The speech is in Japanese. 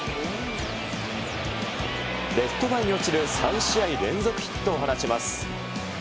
レフト前に落ちる３試合連続ヒットを放ちます。